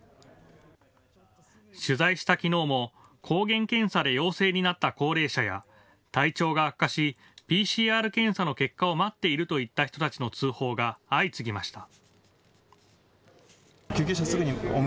取材したきのうも抗原検査で陽性になった高齢者や体調が悪化しＰＣＲ検査の結果を待っているといった人たちの通報が相次ぎました。